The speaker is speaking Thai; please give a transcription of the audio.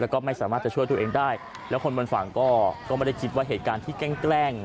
แล้วก็ไม่สามารถจะช่วยตัวเองได้แล้วคนบนฝั่งก็ไม่ได้คิดว่าเหตุการณ์ที่แกล้งแกล้ง